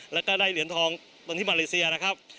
แล้วก็ได้เหรียญทองตรงที่มาเลเซียนะครับ